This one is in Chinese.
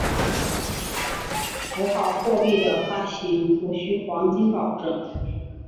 符号货币的发行无须黄金保证。